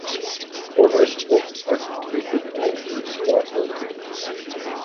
Fordyce spots are completely benign and require no treatment.